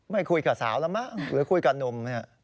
ไม่คุยกับสาวแล้วมั้ยหรือคุยกับนม